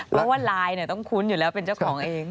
เพราะว่าไลน์ต้องคุ้นอยู่แล้วเป็นเจ้าของเอง